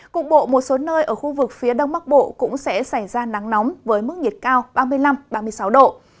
cục bộ một số nơi ở khu vực phía đông bắc bộ cũng sẽ xảy ra nắng nóng với mức nhiệt cao ba mươi năm ba mươi sáu độ